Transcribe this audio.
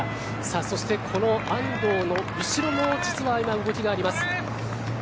そして、この安藤の後ろも実は今、動きがあります。